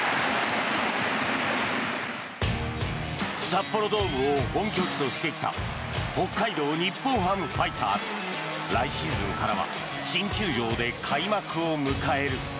札幌ドームを本拠地としてきた北海道日本ハムファイターズ。来シーズンからは新球場で開幕を迎える。